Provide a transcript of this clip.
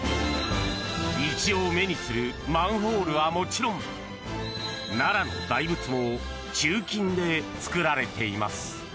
日常、目にするマンホールはもちろん奈良の大仏も鋳金で作られています。